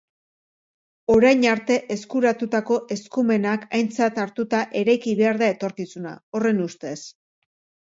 Orain arte eskuratutako eskumenak aintzat hartuta eraiki behar da etorkizuna, horren ustez.